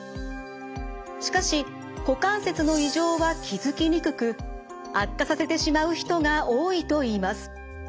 しかし股関節の異常は気付きにくく悪化させてしまう人が多いといいます。